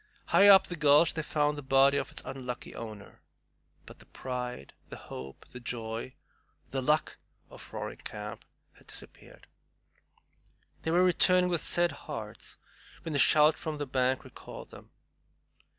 Higher up the gulch they found the body of its unlucky owner; but the pride, the hope, the joy, The Luck, of Roaring Camp had disappeared. They were returning with sad hearts when a shout from the bank recalled them.